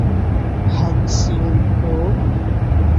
হান সিউল হো?